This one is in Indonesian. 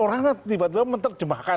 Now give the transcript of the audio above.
orangnya tiba tiba menerjemahkan